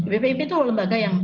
bbib itu lembaga yang